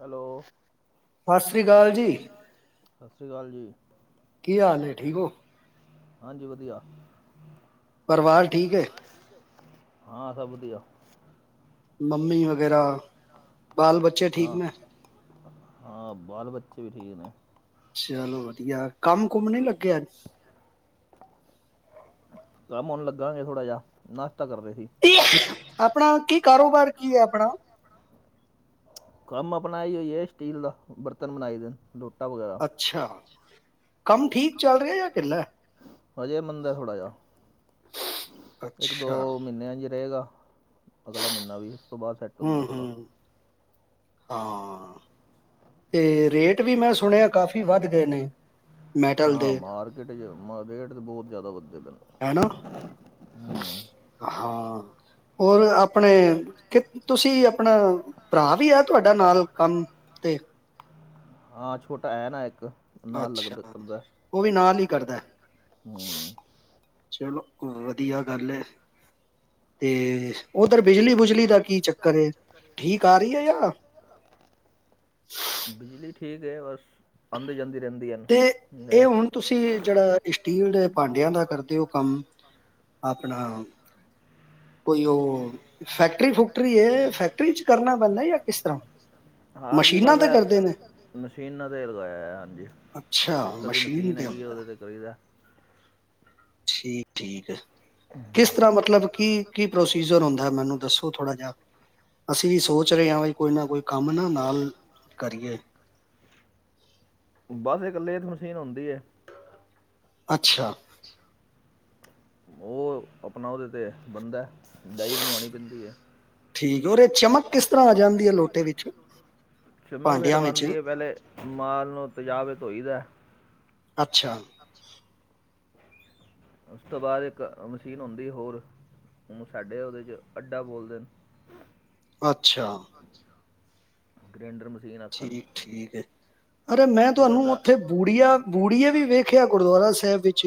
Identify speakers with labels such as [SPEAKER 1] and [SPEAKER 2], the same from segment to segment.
[SPEAKER 1] Hello. ਸਸ ਸ੍ਰੀ ਕਾਲ ਜੀ।
[SPEAKER 2] ਕੀ ਹਾਲ ਏ? ਠੀਕ ਓ?
[SPEAKER 1] ਹਾਂਜੀ ਵਧੀਆ।
[SPEAKER 2] ਪਰਵਾਰ ਠੀਕ ਏ।
[SPEAKER 1] ਹਾਂ, ਸਭ ਵਧੀਆ।
[SPEAKER 2] ਮੰਮੀ ਵਗੈਰਾ, ਬਾਲ-ਬੱਚੇ ਠੀਕ ਨੇ?
[SPEAKER 1] ਹਾਂ, ਬਾਲ-ਬੱਚੇ ਵੀ ਠੀਕ ਨੇ।
[SPEAKER 2] ਚਲੋ ਵਧੀਆ। ਕੰਮ-ਕੁਮ ਨੀ ਲੱਗੇ ਅੱਜ?
[SPEAKER 1] ਕੰਮ ਓਨ ਲੱਗਾ ਹੀ ਥੋੜਾ ਜਾ। ਨਾਸ਼ਤਾ ਕਰਦੇ ਸੀ।
[SPEAKER 2] ਆਪਣਾ, ਕੀ ਕਾਰੋਬਾਰ ਕੀ ਏ ਆਪਣਾ?
[SPEAKER 1] ਕੰਮ ਆਪਨਾ ਐ ਯਯਈ ਏ ਸਟੀਲ ਦਾ। ਬਰਤਨ ਬਨਾਈ ਦੇ ਨ, ਲੋਟਾ ਵਗੈਰਾ।
[SPEAKER 2] ਅੱਛਾ, ਕੰਮ ਠੀਕ ਚੱਲ ਰਿਐ ਯਾਂ ਢਿੱਲੈ?
[SPEAKER 1] ਹਜੇ ਮੰਦੈ ਥੋੜਾ ਜਿਆ। ਏੱਕ ਦੋ ਮੀਂਨ੍ਹੇ ਐਂਝ ਈ ਰਏਗਾ, ਅਗਲਾ ਮੀਂਨ੍ਹਾ ਵੀ। ਉਸ ਤੋਂ ਬਾਦ ਸੈੱਟ ਹੁੰਦੈ ਥੋੜਾ।
[SPEAKER 2] ਹਾਂ, ਤੇ ਰੇਟ ਵੀ ਮੈਂ ਸੁਣਿਐ ਕਾਫੀ ਵੱਧ ਗਏ ਨੇ।
[SPEAKER 1] ਹਾਂ ਮਾਰਕੀਟ 'ਚ ਮ ਰੇਟ ਤੇ ਬੋਹੋਤ ਜਿਆਦਾ ਵੱਧਦੇ ਪੈ ਨ।
[SPEAKER 2] ਹੈਨਾ, ਹਾਂ। ਹੋਰ ਆਪਣੇ ਕਿ ਤੁਸੀ ਆਪਣਾ ਭਰਾ ਵੀ ਐ ਤੁਆਡਾ ਨਾਲ ਕੰਮ ਤੇ?
[SPEAKER 1] ਹਾਂ ਛੋਟਾ ਐ ਨਾ ਏੱਕ।
[SPEAKER 2] ਅੱਛਾ, ਓ ਵੀ ਨਾਲ ਈ ਕਰਦੈ।
[SPEAKER 1] ਹਾਂ।
[SPEAKER 2] ਚਲੋ ਵਧੀਆ ਗੱਲ ਏ। ਤੇ ਓਧਰ ਬਿਜਲੀ-ਬੁਜਲੀ ਦਾ ਕੀ ਚੱਕਰ ਏ, ਠੀਕ ਆ ਰੀ ਏ ਯਾਂ?
[SPEAKER 1] ਬਿਜਲੀ ਠੀਕ ਹੈ। ਬਸ ਆਂਦੀ ਜਾਂਦੀ ਰੈਂਦੀ ਏ ਨ।
[SPEAKER 2] ਤੇ ਏ ਹੁਣ ਤੁਸੀ ਜੜਾ ਇਸ਼ਟੀਲ ਦੇ ਭਾਂਡਿਆਂ ਦਾ ਕਰਦੇ ਓ ਕੰਮ ਆਪਣਾ ਕੋਈ ਓ ਫੈਕਟਰੀ-ਫੁਕਟਰੀ ਏ? ਫੈਕਟਰੀ ਇੱਚ ਕਰਨਾ ਪੈਂਦੈ ਯਾਂ ਕਿਸ ਤਰਾਂ?
[SPEAKER 1] ਹਾਂਜੀ ਬਸ ਐ ਮਸ਼ੀਨਾਂ ਤੇ ਲਗਾਇਆ ਐਯਾ, ਹਾਂਜੀ। ਏੱਕ ਅੱਧੀ ਮਸ਼ੀਨ ਹੈਗੀ ਏ ਓਦੇ ਤੇ ਕਰੀਦੈ।
[SPEAKER 2] ਛੀ, ਠੀਕ ਐ। ਕਿਸ ਤਰਾਂ ਮਤਲਬ ਕੀ, ਕੀ ਪ੍ਰੋਸੀਜ਼ਰ ਹੁੰਦੈ ਮੈਨੂੰ ਦੱਸੋ ਥੋੜਾ ਜਾ। ਅਸੀ ਵੀ ਸੋਚ ਰੇ ਆਂ ਵਈ ਕੋਈ ਨਾ ਕੋਈ ਕੰਮ ਨਾ ਨਾਲ ਕਰੀਏ।
[SPEAKER 1] ਬਸ ਏੱਕ ਲੇਥ ਮਸ਼ੀਨ ਹੋਂਦੀ ਏ।
[SPEAKER 2] ਅੱਛਾ।
[SPEAKER 1] ਆਪਣਾ ਓਦੇ 'ਤੇ ਬਨਦੈ ਡਾਈ ਬਨਵਾਨੀ ਪੇਂਦੀ ਏ।
[SPEAKER 2] ਠੀਕ ਏ ਓਰੇ 'ਚ ਚਮਕ
[SPEAKER 1] ਓਰੇ 'ਚ ਚਮਕ ਕਿਸ ਤਰਾਂ ਆ ਜਾਦੀ ਏ ਲੋਟੇ ਵਿੱਚ? ਚਮਕ ਫੇਰ ਓ ਆਂਦੀ ਏ ਪੈਲੇ ਮਾਲ ਨੂੰ ਤੇਜਾਬ ਏੱਚ ਧੋਈਦੈ।
[SPEAKER 2] ਅੱਛਾ।
[SPEAKER 1] ਉਸ ਤੋਂ ਬਾਦ ਏਕ ਮਸ਼ੀਨ ਹੁੰਦੀ ਏ ਹੋਰ, ਸਾਡੇ ਓਦੇ 'ਚ ਅੱਡਾ ਬੋਲਦੇ ਨੇ।
[SPEAKER 2] ਅੱਛਾ।
[SPEAKER 1] ਗ੍ਰੈਂਡਰ ਮਸ਼ੀਨ ਆਖਣ
[SPEAKER 2] ਠੀਕ ਐ। ਅਰੇ ਮੈਂ ਤੁਆਨੂੰ ਉੱਥੇ ਬੂੜੀਆ ਬੂੜੀਏ ਵੀ ਵੇਖਿਆ ਗੁਰਦੁਆਰਾ ਸਾਹਿਬ ਵਿੱਚ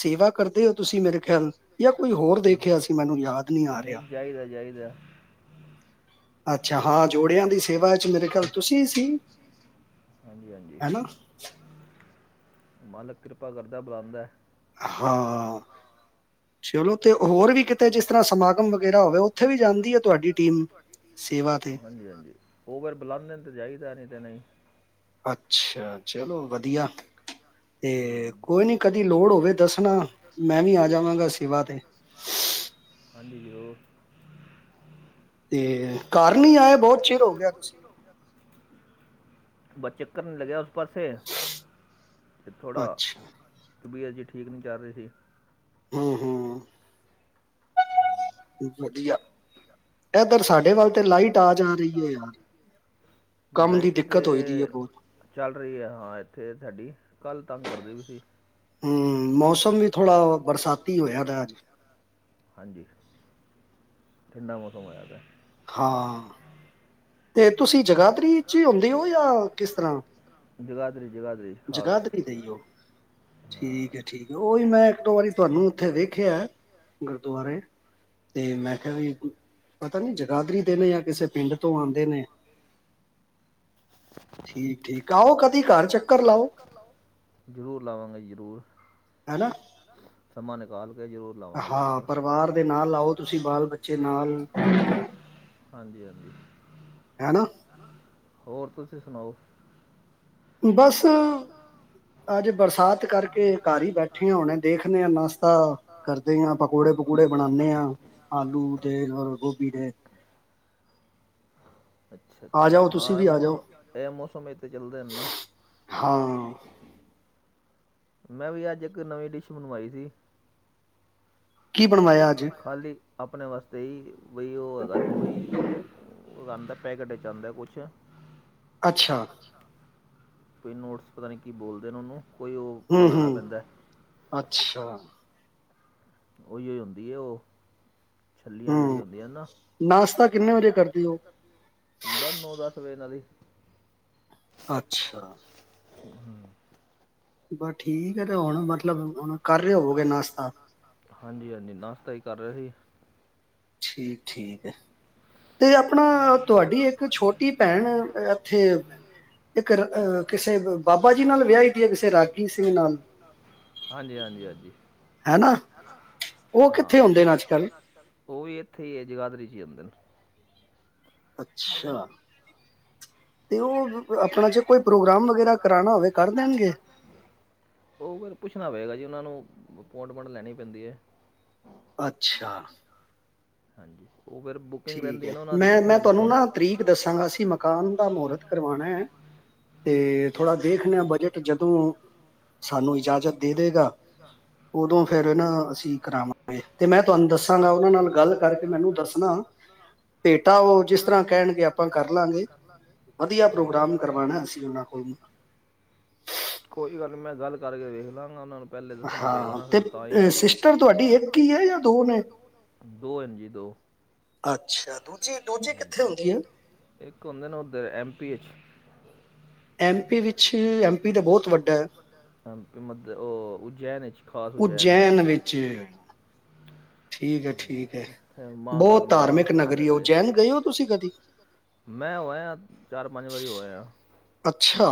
[SPEAKER 2] ਸੇਵਾ ਕਰਦੇ ਓ ਤੁਸੀਂ ਮੇਰੇ ਖਿਆਲ ਯਾਂ ਕੋਈ ਹੋਰ ਦੇਖਿਆ ਸੀ ਮੈਨੂੰ ਯਾਦ ਨੀਂ ਆ ਰਿਯਾ।
[SPEAKER 1] ਜਾਈਦਾ-ਜਾਈਦਾ।
[SPEAKER 2] ਅੱਛਾ ਹਾਂ, ਜੋੜਿਆਂ ਦੀ ਸੇਵਾ ਚ ਮੇਰੇ ਖਯਾਲ ਤੁਸੀਂ ਸੀ, ਹਨਾ?
[SPEAKER 1] ਮਾਲਕ ਕਿਰਪਾ ਕਰਦਾ, ਬੁਲਾਂਦੈ।
[SPEAKER 2] ਹਾਂ, ਸ਼ੁਰੂ ਤੇ ਹੋਰ ਵੀ
[SPEAKER 1] ਹੋਰ ਵੀ ਕਿਤੇ ਜਿਸ ਤਰ੍ਹਾਂ ਸਮਾਗਮ ਵਗੈਰਾ ਹੋਵੇ, ਓਥੇ ਵੀ ਜਾਂਦੀ ਹੈ ਤੁਆਡੀ ਟੀਮ? ਹਾਂਜੀ-ਹਾਂਜੀ, ਓ ਫਿਰ ਬੁਲਾਂ ਦੇਨ ਤੇ ਜਾਈਦਾ ਨਈ ਤੇ ਨਈ।
[SPEAKER 2] ਅੱਛਾ, ਚਲੋ ਵਧੀਆ ਤੇ ਕੋਈ ਨੀ ਕਦੀ ਲੋੜ ਹੋਵੇ ਦਸਨਾ, ਮੈਂ ਵੀ ਆ ਜਾਵਾਂਗਾ ਸੇਵਾ ਤੇ
[SPEAKER 1] ਹਾਂਜੀ, ਜ਼ਰੂਰ।
[SPEAKER 2] ਤੇ ਘਰ ਨੀਂ ਆਏ ਬੋਤ ਚਿਰ ਹੋ ਗਿਆ ਤੁਸੀਂ।
[SPEAKER 1] ਬਸ ਚੱਕਰ ਨਈਂ ਲੱਗੇਆ ਓਸ ਪਾਸੇ ਤੇ ਥੋੜਾ ਤਬੀਯਤ ਜੀ ਠੀਕ ਨੀਂ ਚੱਲ ਰੀ ਸੀ।
[SPEAKER 2] ਵਧੀਆ। ਏਧਰ ਸਾਡੇ ਸਾਡੇ ਵੱਲ ਤੇ ਲਾਈਟ ਆ ਜਾ ਰਈ ਏ ਯਾਰ?
[SPEAKER 1] ਲਾਈਟ ਤੇ ਚੱਲ ਰਈ ਏ ਹਾਂ, ਏਥੇ ਸਾਡੀ ਕੱਲ ਤੰਗ ਕਰਦੀ ਪੀ ਸੀਂ।
[SPEAKER 2] ਹੂੰ, ਮੌਸਮ ਵੀ ਥੋੜਾ ਬਰਸਾਤੀ ਹੋਈਆ ਦੈ।
[SPEAKER 1] ਹਾਂਜੀ। ਠੰਡਾ ਮੌਸਮ ਹੋਈਆ ਪਿਆ।
[SPEAKER 2] ਹਾਂ, ਤੇ ਤੁਸੀਂ ਜਗਾਦਰੀ ਚ ਈ ਹੁੰਦੇ ਓ ਯਾਂ ਕਿਸ ਤਰਾਂ?
[SPEAKER 1] ਜਗਾਦਰੀ ਜਗਾਦਰੀ।
[SPEAKER 2] ਜਗਾਦਰੀ ਦੇ ਈ ਓ, ਠੀਕ ਐ। ਠੀਕ ਐ ਓਈ ਮੈਂ ਏਕ ਵਾਰੀ ਤੂਆਨੂੰ ਉੱਥੇ ਵੇਖਿਆ ਗੁਰਦੁਆਰੇ ਤੇ ਮੈਂ ਕੇਆ ਵੀ ਪਤਾ ਨੀ ਜਗਾਦਰੀ ਦੇ ਨੇ ਯਾਂ ਕਿਸੇ ਪਿੰਡ ਤੋਂ ਆਂਦੇ ਨੇ। ਠੀਕ-ਠੀਕ ਆਓ ਕਦੀ ਘਰ, ਚੱਕਰ ਲਾਓ।
[SPEAKER 1] ਜ਼ਰੂਰ ਲਾਵਾਂਗਾ ਜੀ, ਜ਼ਰੂਰ।
[SPEAKER 2] ਹੈਨਾ?
[SPEAKER 1] ਸਮਾਂ ਨਿਕਾਲ ਕੇ ਜਰੂਰ
[SPEAKER 2] ਹਾਂ, ਪਰਵਾਰ ਦੇ ਨਾਲ ਆਓ ਤੁਸੀਂ ਬਾਲ ਬੱਚੇ ਨਾਲ।
[SPEAKER 1] ਹਾਂਜੀ-ਹਾਂਜੀ।
[SPEAKER 2] ਹੈਨਾ?
[SPEAKER 1] ਹੋਰ, ਤੁਸੀਂ ਸੁਨਾਓ?
[SPEAKER 2] ਬਸ [unintelligible] ਅੱਜ ਬਰਸਾਤ ਕਰਕੇ ਘਰ ਈ ਬੈਠੇ ਆਂ ਹੋਣੇ ਦੇਖਦੇ ਆ ਨਾਸਤਾ ਕਰਦੇ ਆ ਪਕੌੜੇ-ਪਕੁੜੇ ਬਨਾਨੇ ਆ, ਆਲੂ ਦੇ ਔਰ ਗੋਭੀ ਦੇ।
[SPEAKER 1] ਅੱਛਾ-ਅੱਛਾ, ਹਾਂ ਐ ਮੌਸਮ ਐ ਮੌਸਮ 'ਚ ਤੇ ਚਲਦੇ ਨਾ।
[SPEAKER 2] ਹਾਂ।
[SPEAKER 1] ਮੈਂ ਵੀ ਅੱਜ ਇੱਕ ਨਵੀਂ ਡਿਸ਼ ਬਣਵਾਈ ਸੀ। ਖਾਲੀ ਆਪਣੇ ਵਾਸਤੇ ਹੀ ਬਈ ਉਹ ਹੈਗਾ ਵੀ ਕੋਈ ਓ ਆਂਦਾ ਪੈਕੇਟੇ ਚ ਆਦਾ ਕੁਛ।
[SPEAKER 2] ਅੱਛਾ।
[SPEAKER 1] ਕੋਈ ਨੋਟਸ ਪਤਾ ਨਹੀਂ ਕੀ ਬੋਲਦੇ ਨੇ ਉਹਨੂੰ ਉਹੀ ਬਣਾਨਾ ਪੈਂਦਾ।
[SPEAKER 2] ਅੱਛਾ।
[SPEAKER 1] ਓਈ ਏ ਹੁੰਦੀ ਏ ਉਹ ਛੱਲੀਆਂ ਜਿਹੜੀਆਂ ਹੁੰਦੀਆਂ ਨਾ ਨਾਸ਼ਤਾ ਕਿੰਨੇ ਵਜੇ ਕਰਦੀ ਏ ਬਸ ਨੌ ਦਸ ਵਜੇ ਨਾਲ ਈ।
[SPEAKER 2] ਅੱਛਾ।
[SPEAKER 1] ਹੂੰ।
[SPEAKER 2] ਬਸ ਠੀਕ ਐ ਤੇ ਹੁਣ ਮਤਲਬ ਹੁਣ ਕਰ ਲਿਆ ਹੋ ਗੀਆ ਨਾਸ਼ਤਾ।
[SPEAKER 1] ਹਾਂਜੀ ਹਾਂਜੀ ਨਾਸ਼ਤਾ ਈ ਕਰ ਰਹੇ ਸੀ।
[SPEAKER 2] ਠੀਕ ਠੀਕ ਐ ਤੇ ਆਪ
[SPEAKER 1] ਤੇ ਅਪਣਾ ਤੁਹਾਡੀ ਇਕ ਛੋਟੀ ਭੈਣ ਰੈਂਦੀ ਏ
[SPEAKER 2] ਇੱਕਰ ਆ ਕਿਸੇ ਬ ਬਾਬਾ ਜੀ ਨਾਲ ਵਿਆਈ ਗਈ ਐ ਕਿਸੇ ਰਾਗੀ ਸਿੰਘ ਨਾਲ?
[SPEAKER 1] ਹਾਂਜੀ ਹਾਂਜੀ ਹਾਂਜੀ। ਹਾਂ ਉਹ ਵੀ ਇੱਥੇ ਹੀ ਏ ਜਗਾਦਰੀ ਚ ਹੋਦੇ ਨ।
[SPEAKER 2] ਅੱਛਾ, ਤੇ ਉਹ ਵੀ ਆਪਣਾ ਜੇ ਕੋਈ ਪ੍ਰੋਗਰਾਮ ਵਗੈਰਾ ਕਰਾਣਾ ਹੋਵੇ ਕਰ ਦੇਣਗੇ?
[SPEAKER 1] ਉਹ ਫੇਰ ਪੁੱਛਣਾ ਪਏਗਾ ਜੀ ਉਹਨਾਂ ਨੂੰ ਅਪੋਟਮੈਟ ਲੈਣੀ ਪੈਂਦੀ ਐ।
[SPEAKER 2] ਅੱਛਾ।
[SPEAKER 1] ਹਾਂਜੀ, ਉਹ ਫਿਰ ਬੁੱਕ
[SPEAKER 2] ਠੀਕ ਐ ਮੈਂ ਮੈਂ ਤੁਹਾਨੂੰ ਨਾ ਤਰੀਕ ਦੱਸਾਂਗਾ ਸੀ ਮਕਾਨ ਦਾ ਮਹੂਰਤ ਕਰਵਾਣਾ ਐ ਤੇ ਥੋੜ੍ਹਾ ਦੇਖਨੇ ਆ ਬਜਟ ਜਦੋਂ ਸਾਨੂੰ ਇਜਾਜ਼ਤ ਦੇਗਾ ਉਦੋਂ ਫੇਰ ਨਾ ਅਸੀਂ ਕਰਾਵਾਂਗ ਤੇ ਮੈਂ ਤੁਹਾਨੂੰ ਦੱਸਾਂਗਾ ਉਹਦੇ ਨਾਲ ਗੱਲ ਕਰਕੇ ਮੈਨੂੰ ਦੱਸਣਾ
[SPEAKER 1] [unintelligible]
[SPEAKER 2] ਭੇਟਾ ਉਹ ਜਿਸ ਤਰ੍ਹਾਂ ਕਹਿਣਗੇ ਆਪਾਂ ਕਰ ਲਾਂਗੇ। ਵਧੀਆ ਪ੍ਰੋਗਰਾਮ ਕਰਵਾਉਣਾ ਅਸੀਂ ਉਹਨਾਂ ਕੋਲੋਂ।
[SPEAKER 1] ਕੋਈ ਗੱਲ ਨ, ਮੈਂ ਗੱਲ ਕਰਕੇ ਵੇਖ ਲਾਂਗਾ ਉਹਨਾਂ ਨੂੰ ਪਹਿਲੇ ਦੱਸਣਾ ਪਏਗਾ ਨਾ ਫਿਰ ਤਾਂ ਹੀਤੇ, ਸਿਸਟਰ ਤੁਹਾਡੀ ਇਕ ਹਿ ਹੈ ਯ ਦੋ ਨੇ ਦੋ ਐਜੀ ਦੋ।
[SPEAKER 2] ਅੱਛਾ, ਦੂਜੀ ਦੂਜੀ ਕਿੱਥੇ ਹੁੰਦੀ ਐ।
[SPEAKER 1] ਇੱਕ ਹੁੰਦੇ ਨਾ ਉੱਧਰ M P H.
[SPEAKER 2] M P ਵਿੱਚ ਐੱਮ ਪੀ ਦਾ ਬਹੁਤ ਵੱਡਾ ਐ।
[SPEAKER 1] ਐਮ ਪੀ ਮੱਧ ਉਹ ਉਜੈਨ ਵਿੱਚ।
[SPEAKER 2] ਉਜੈਨ ਵਿੱਚ। ਠੀਕ ਐ ਠੀਕ ਐ, ਬਹੁਤ ਧਾਰਮਿਕ ਨਗਰੀ ਐ, ਉਜੈਨ ਗਏ ਹੋ ਤੁਸੀਂ ਕਦੀ?
[SPEAKER 1] ਮੈਂ ਹੋ ਆਇਆ ਚਾਰ ਪੰਜ ਵਾਰੀ ਹੋ ਆਇਆ
[SPEAKER 2] ਅੱਛਾ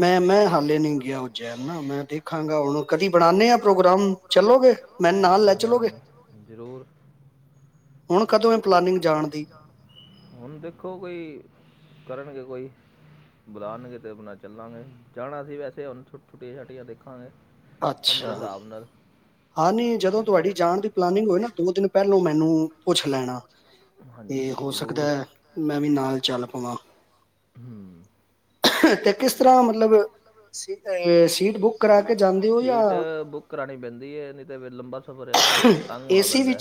[SPEAKER 2] ਮੈਂ ਮੈਂ ਹਾਲੇ ਨਈ ਗਿਆ ਉਜੈਨ ਨਾ, ਮੈਂ ਦੇ ਖਾਂਗਾ ਉਦੋਂ, ਕਦੀ ਬਣਾਨੇ ਆ ਪ੍ਰੋਗਰਾਮ ਚੱਲੋਗੇ ਮੈਨ ਨਾਲ ਲੈ ਚਲੋਗੇ? ਹੁਣ ਕਦੋਂ ਐ ਪਲਾਨਿੰਗ ਜਾਣ ਦੀ?
[SPEAKER 1] ਹੁਣ ਦੇਖੋ ਕੋਈ ਕਰਨਗੇ ਕੋਈ। ਬੁਲਾਣਗੇ ਤੇ ਆਪਣਾ ਚੱਲਾਂਗੇ, ਜਾਣਾ ਸੀ ਵੈਸੇ ਹੁਨ ਛੁੱਟੀਆਂ ਛਟੀਆਂ ਦੇਖਾਂਗੇ। ਕੰਮ ਦੇ ਸਾਬ ਨਾਲ।
[SPEAKER 2] ਹਾਂ ਨੀ, ਜਦੋਂ ਤੁਹਾਡੀ ਜਾਣ ਦੀ ਪਲਾਨਿਗ ਹੋਏ ਨਾ ਦੋ ਦਿਨ ਪਹਿਲੋਂ ਮੈਨੂੰ ਪੁੱਛ ਲੈਣਾ, ਤੇ ਹੋ ਸਕਦੈ ਮੈਂ ਵੀ ਨਾਲ ਚੱਲ ਪਵਾਂ, ਤੇ ਕਿਸ ਤਰਾਂ ਮਤਲਬ ਸੀ ਏ ਸੀਟ ਬੁੱਕ ਕਰਾ ਕੇ ਜਾਂਦੇ ਓ ਯਾਂ
[SPEAKER 1] ਤ ਬੁੱਕ ਕਰਾਣੀ ਪੈਂਦੀ ਯੇ, ਨਈ ਤੇ ਫੇ ਲੰਬਾ ਸਫ਼ਰ ਏ ਨਾ, ਫੇਰ ਤੰਗ ਹੋਣਾ ਪੈਂਦੈ।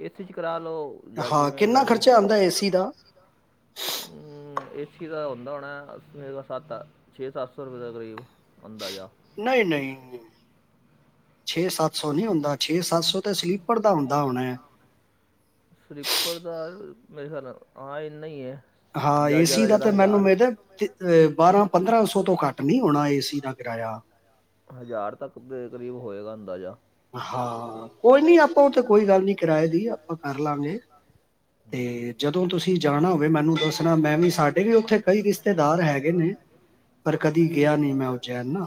[SPEAKER 1] ਏਸੀ 'ਚ ਕਰਾ ਲਓ ਜਾਂ ਜਿਵੇਂ ਤੁਆਡੀ ਹੂੰ ਏਸੀ ਦਾ ਆਦਾ ਹੋਣਾ ਛੇ ਸੱਤ- ਛੇ ਸੱਤ ਸੌ ਰੁਪਏ ਦੇ ਕਰੀਬ ਅੰਦਾਜ਼ਾ।
[SPEAKER 2] ਨਈ- ਨਈ। ਛੇ ਸੱਤ ਸੌ ਨੀ ਹੁੰਦਾ, ਛੇ ਸੱਤ ਸੌ ਤੇ ਸਲੀਪਰ ਦਾ ਹੁੰਦਾ ਹੋਨੈ।
[SPEAKER 1] ਸਲੀਪਰ ਦਾ ਮੇਰੇ ਖਆਲ ਆ ਏਨਾ ਈ ਐ।
[SPEAKER 2] ਹਾਂ, ਏਸੀ ਦਾ ਤੇ ਮੈਨੂੰ ਮੇਦ ਏ ਕਿ ਬਾਰਾਂ ਪੰਦਰਾਂ ਸੌ ਤੋਂ ਘੱਟ ਨੀ ਹੋਣਾ ਏਸੀ ਦਾ ਕਿਰਾਯਾ। [inaudible]
[SPEAKER 1] ਹਜ਼ਾਰ ਤੱਕ ਦੇ ਕਰੀਬ ਹੋਏਗਾ ਅੰਦਾਜ਼ਾ।
[SPEAKER 2] ਹਾਂ, ਕੋਈ ਨੀ ਆਪਾਂ ਉਹ ਤੇ ਕੋਈ ਗੱਲ ਨੀ ਕਿਰਾਏ ਦੀ ਆਪਾਂ ਕਰ ਲਾਂਗੇ। ਤੇ ਜਦੋਂ ਤੁਸੀਂ ਜਾਣਾ ਹੋਵੇ, ਮੈਨੂੰ ਦੱਸਣਾ ਮੈਂ ਵੀ ਸਾਡੇ ਵੀ ਉੱਥੇ ਕਈ ਰਿਸਤੇਦਾਰ ਹੈਗੇ ਨੇ। ਪਰ ਕਦੀ ਗਿਆ ਨਈ ਮੈਂ ਉਜੈਨ ਨਾ,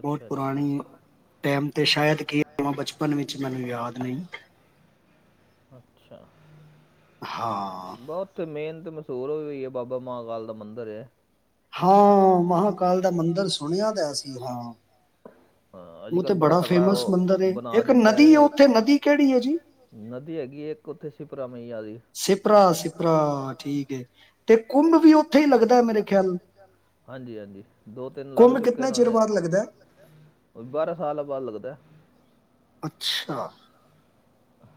[SPEAKER 2] ਬਹੁਤ ਪੁਰਾਣੀ ਟੈਮ ਤੇ ਸ਼ਾਇਦ ਹੀ [unintelligible] ਬਚਪਨ ਵਿੱਚ ਮੈਨੂੰ ਯਾਦ ਨਈ।
[SPEAKER 1] ਅੱਛਾ।
[SPEAKER 2] ਹਾਂ।
[SPEAKER 1] ਬਾ ਉਥੇ ਮੇਨ ਤੇ ਮਸਹੂਰ ਉਹ ਹੀ ਐ, ਬਾਬਾ ਮਹਾਂ ਕਾਲ ਦਾ ਮੰਦਰ ਐ।
[SPEAKER 2] ਹਾਂ, ਮਹਾਕਾਲ ਦਾ ਮੰਦਰ ਸੁਣਿਆ ਦੈ ਸੀ ਹਾਂ। ਉਹ ਤੇ ਬੜਾ ਫੇਮਸ ਮੰਦਰ ਏ, ਇੱਕ ਨਦੀ ਐ ਉਥੇ ਨਦੀ ਕੇੜੀ ਐ ਜੀ?
[SPEAKER 1] ਨਦੀ ਹੈਗੀ ਐਂ ਇੱਕ ਉੱਥੇ ਸ਼ਪਰਾ ਮਈਯਾ ਦੀ।
[SPEAKER 2] ਸਿਪਰਾ -ਸਿਪਰਾ ਠੀਕ ਐ।
[SPEAKER 1] ਮੇਲਾ ਕੁੰਭ ਦਾ ਵੀ ਓਥੇ ਲਗਦੈ ਮੇਰੇ ਖ਼ਯਾਲ? ਹਾਜੀ ਹਾਂਜੀ। ਦੋ ਤਿੰਨ ਲੱਗ ਚੁੱਕ [unintelligible] ਕੋਈ ਬਾਰਾਂ ਸਾਲ ਬਾਦ ਲੱਗਦੈ।
[SPEAKER 2] ਅੱਛਾ।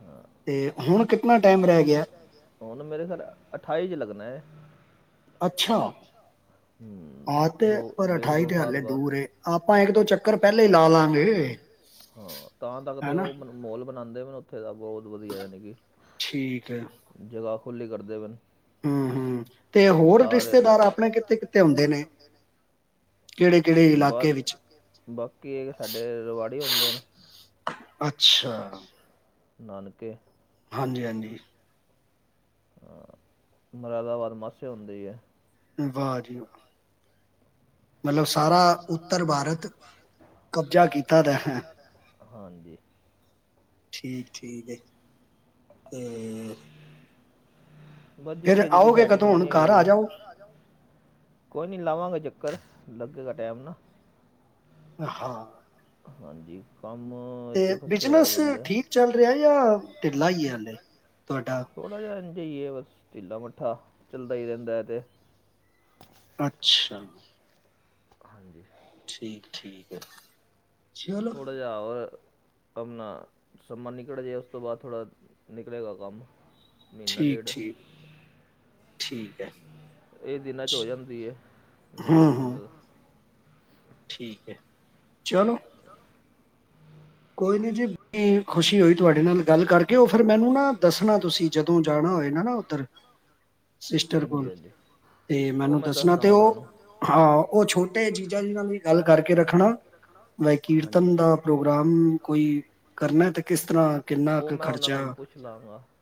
[SPEAKER 1] ਹਾਂ।
[SPEAKER 2] ਤੇ ਹੁਣ ਕਿਤਨਾ
[SPEAKER 1] ਕਿਤਨਾ ਟੈਮ ਰਹਿ ਗਐ। ਹੁਣ ਮੇਰੇ ਖਯਾਲ ਅਠਾਈ 'ਚ ਲੱਗਨੈ।
[SPEAKER 2] ਅੱਛਾ। ਆਹ ਤੇ ਪਰ ਅਠਾਈ ਤੇ ਹਾਲੇ ਦੂਰ ਏ, ਆਪਾਂ ਇੱਕ ਦੋ ਚੱਕਰ ਪਹਿਲੇ ਈ ਲਾ ਲਾਂਗੇ।
[SPEAKER 1] ਹਾਂ ਤਾਂ ਤਕ ਤੇ ਉਹ ਮਨ ਮੋਲ ਬਣਾਦੇ ਪਏ ਨੇ ਓਥੇ ਦਾ। ਬਹੁਤ ਵਧੀਯਾ ਯਾਨੀ ਕਿ-
[SPEAKER 2] ਠੀਕ ਏ।
[SPEAKER 1] ਜਗਾ ਖੁੱਲੀ ਕਰਦੇ ਪਏ ਨ
[SPEAKER 2] ਹਮ -ਹਮ ਤੇ ਹੋਰ ਰਿਸ਼ਤੇਦਾਰ ਆਪਣੇ ਕਿਤੇ -ਕਿਤੇ ਹੁੰਦੇ ਨੇ।
[SPEAKER 1] ਬਸ ਬਾਕੀ ਸਾਡੇ ਰਵਾੜੀ ਹੁੰਦੇ ਨ
[SPEAKER 2] ਅੱਛਾ
[SPEAKER 1] ਨਾਨਕੇ।
[SPEAKER 2] ਹਾਂਜੀ- ਹਾਂਜੀ।
[SPEAKER 1] ਅ ਮਰਾਦਾਬਾਦ ਮਾਸੀ ਹੁੰਦੀ ਏ।
[SPEAKER 2] ਵਾਹ ਜੀ ਵਾਹ। ਮਤਲਬ ਸਾਰਾ ਉਤਰ ਭਾਰਤ ਕਬਜ਼ਾ ਕੀਤਾ ਦੈ। ਹੈ
[SPEAKER 1] ਅ ਹਾਂਜੀ
[SPEAKER 2] ਠੀਕ ਠੀਕ ਏ, ਤੇ
[SPEAKER 1] ਬਸ ਜਿੱਥੇ ਜਿੱਥੇ ਸੈਟਿੰਗ ਬਣੀ ਹੋਈ ਏ ਕੋਈ ਨਈਂ ਲਾਵਾਂਗੇ ਚੱਕਰ, ਲੱਗੇਗਾ ਟਾਈਮ ਨਾ
[SPEAKER 2] ‌ਅ ਹਾਂ
[SPEAKER 1] ਅ ਹਾਂਜੀ ਕੰਮ ਅ
[SPEAKER 2] ਤੇ ਬਿਜਨਸ ਠੀਕ ਚੱਲ ਰਿਹਾ, ਜਾਂ ਢਿੱਲਾ ਹੀ ਹੈ ਹਾਲੇ ਤੁਹਾਡਾ
[SPEAKER 1] ਥੋੜ੍ਹਾ ਜਿਹਾ ਇੰਝ ਹੀ ਹੈ ਬਸ, ਢੀਲਾ- ਮੱਠਾ ਚੱਲਦਾ ਹੀ ਰਹਿੰਦਾ ਇਹ ਤੇ
[SPEAKER 2] ਅੱਛਾ
[SPEAKER 1] ਅ ਹਾਂਜੀ
[SPEAKER 2] ਠੀਕ ਠੀਕ ਏ
[SPEAKER 1] ਥੋੜ੍ਹਾ ਜਿਹਾ ਆ ਹੋਰ ਅਪਨਾ ਸਮਾਂ ਨਿਕਲ ਜਾਏ, ਉਸ ਤੋਂ ਬਾਅਦ ਥੋੜ੍ਹਾ ਨਿਕਲੇਗਾ ਕੰਮ ਮਹੀਨਾ ਡੇਢ ਇਹ ਦਿਨਾਂ ਚ ਹੋ ਜਾਂਦੀ ਹੈ ਮੰਦੇ ਮੁੰਦੇ ਦਾ
[SPEAKER 2] ਠੀਕ ਹੈ ਚਲੋ।
[SPEAKER 1] ਚਲੋ
[SPEAKER 2] ਕੋਈ ਨੀ ਜੀ ਏਅ ਖੁਸ਼ੀ ਹੋਈ ਤੁਹਾਡੇ ਨਾਲ ਗੱਲ ਕਰਕੇ, ਉਹ ਫਿਰ ਮੈਨੂੰ ਨਾ ਦੱਸਣਾ ਤੁਸੀਂ ਜਦੋਂ ਜਾਣਾ ਹੋਏਗਾ ਨਾ ਉੱਧਰ ਸਿਸਟਰ ਕੋਲ, ਤੇ ਮੈਨੂੰ ਦੱਸਣਾ, ਤੇ ਉਹ ਹਾਂ ਉਹ ਛੋਟੇ ਜੀਜ਼ਾ ਜੀ ਨਾਲ ਵੀ ਗੱਲ ਕਰਕੇ ਰੱਖਣਾ, ਵੈ ਕੀਰਤਨ ਦਾ ਪ੍ਰੋਗਰਾਮ ਅ ਕੋਈ ਕਰਨਾ ਤੇ ਕਿਸ ਤਰ੍ਹਾਂ, ਕਿੰਨਾ ਕ ਖ਼ਰਚਾ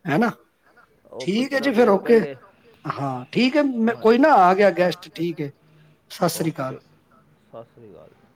[SPEAKER 2] ਹੈ ਨਾ
[SPEAKER 1] ਹੈਨਾ ਉਹ ਪੁੱਛਣਾ ਪਏਗਾ ਪਹਿਲੇ
[SPEAKER 2] ਹਾਂ ਠੀਕ ਹੈ, ਮੈਂ ਕੋਈ ਨਾ ਆ ਗਿਆ ਗੈਸਟ ਠੀਕ ਏ
[SPEAKER 1] ਓਕੇ ਸਤਿ ਸ੍ਰੀ ਅਕਾਲ